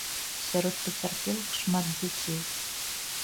Сярод пацярпелых шмат дзяцей.